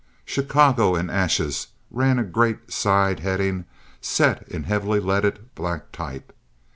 "Chicago in Ashes" ran a great side heading set in heavily leaded black type.